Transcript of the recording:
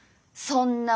そんな。